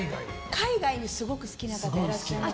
海外にすごく好きな方がいらっしゃいまして。